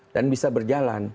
dan bisa berjalan